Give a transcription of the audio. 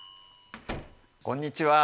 こんにちは。